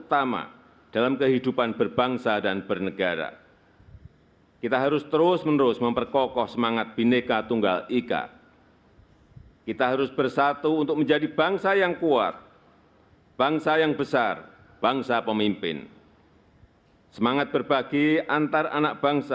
tanda kebesaran buka hormat senjata